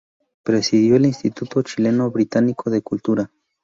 Presidió el Instituto Chileno-Británico de Cultura.